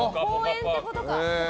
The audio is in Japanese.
公園ってことか。